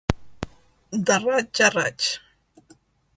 De raig a raig.